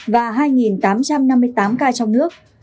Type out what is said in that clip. và hai tám trăm năm mươi tám ca trong nước